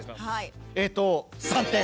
えっと３点！